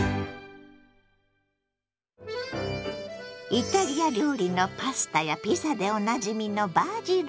イタリア料理のパスタやピザでおなじみのバジル。